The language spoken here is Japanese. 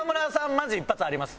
マジ一発あります